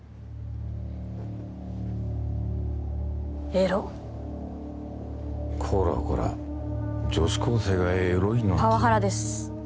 エロッこらこら女子高生がエロいなんてパワハラです